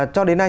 cho đến nay